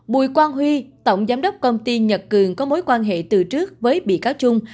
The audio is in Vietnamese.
bùi quang huy tổng giám đốc công ty nhật cường có mối quan hệ từ trước với bị cáo trung